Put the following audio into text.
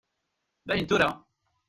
Dayen tura!